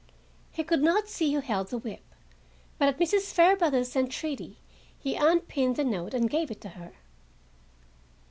He could not see who held the whip, but at Mrs. Fairbrother's entreaty he unpinned the note and gave it to her.